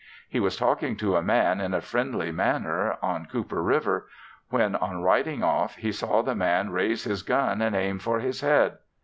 He was talking to a man, in a friendly manner, on Cooper river, when, on riding off, he saw the man raise his gun, and aim for his head.